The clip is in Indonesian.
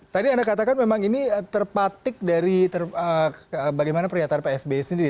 tadi anda katakan memang ini terpatik dari bagaimana pernyataan psb sendiri